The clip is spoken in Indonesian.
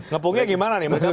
ngepungnya gimana nih maksudnya